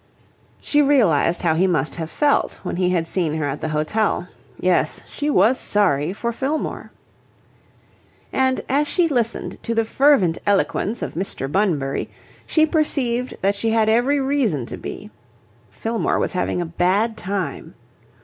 She realized how he must have felt when he had seen her at the hotel. Yes, she was sorry for Fillmore. And, as she listened to the fervent eloquence of Mr. Bunbury, she perceived that she had every reason to be. Fillmore was having a bad time.